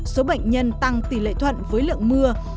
số bệnh nhân tăng tỷ lệ thuận với lượng mưa